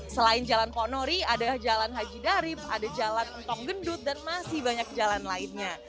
selain jalan ponori ada jalan haji darip ada jalan entong gendut dan masih banyak jalan lainnya